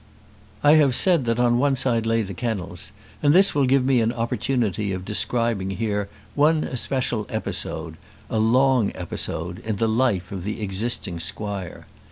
I have said that on one side lay the kennels, and this will give me an opportunity of describing here one especial episode, a long episode, in the life of the existing squire.